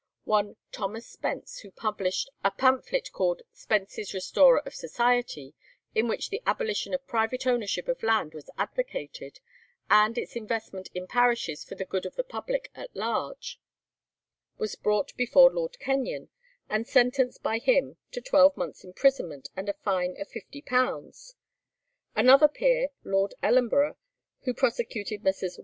One Thomas Spence, who published a pamphlet called 'Spence's Restorer of Society,' in which the abolition of private ownership of land was advocated, and its investment in parishes for the good of the public at large, was brought before Lord Kenyon, and sentenced by him to twelve months' imprisonment and a fine of £50. Another peer, Lord Ellenborough, who prosecuted Messrs.